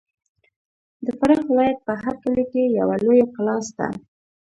د فراه ولایت په هر کلي کې یوه لویه کلا سته.